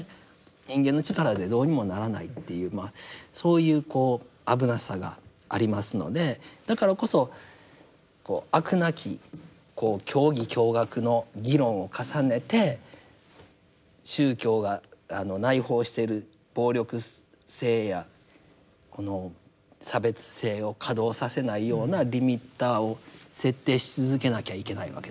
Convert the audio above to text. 人間の力でどうにもならないっていうそういう危なさがありますのでだからこそこう飽くなきこう教義教学の議論を重ねて宗教が内包している暴力性やこの差別性を稼働させないようなリミッターを設定し続けなきゃいけないわけですね。